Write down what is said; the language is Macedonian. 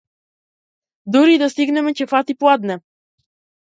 Дури да стигнеме ќе фати пладне.